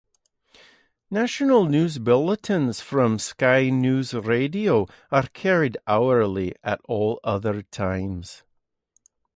National news bulletins from Sky News Radio are carried hourly at all other times.